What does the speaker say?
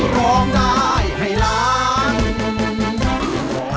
ร้องได้ให้ล้าน